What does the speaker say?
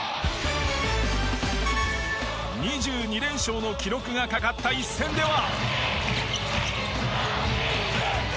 ２２連勝の記録がかかった一戦では。